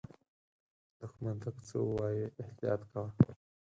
دښمن ته که څه ووایې، احتیاط کوه